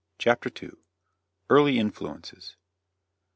CHAPTER II EARLY INFLUENCES.